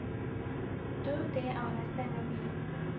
Tu dê araste nebî.